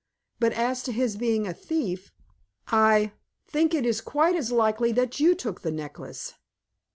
But as to his being a thief, I think it is quite as likely that you took the necklace."